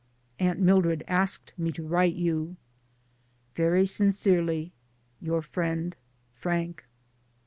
Aunt Mildred asked me to write you. Very sincerely your friend, Frank.